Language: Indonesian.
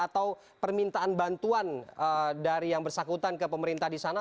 atau permintaan bantuan dari yang bersangkutan ke pemerintah di sana